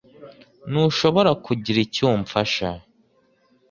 Ntushobora kugira icyo umfasha